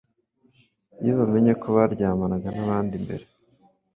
iyo bamenye ko baryamanaga n’abandi mbere